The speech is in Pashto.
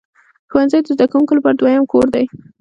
ښوونځی د زده کوونکو لپاره دویم کور دی.